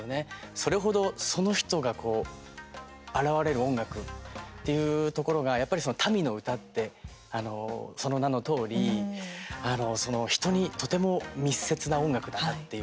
それ程、その人が表れる音楽っていうところがやっぱり民の唄ってその名のとおり、人にとても密接な音楽だなっていう。